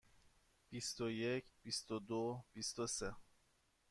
بیست و یک، بیست و دو، بیست و سه.